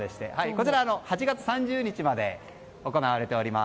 こちら、８月３０日まで行われています。